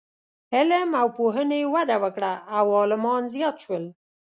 علم او پوهنې وده وکړه او عالمان زیات شول.